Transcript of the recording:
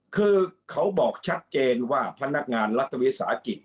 คือเขาบอกชัดเจนว่าพนักงานรัฐวิสาหกิจ